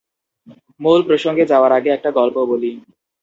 মূল প্রসঙ্গে যাওয়ার আগে একটা গল্প বলি।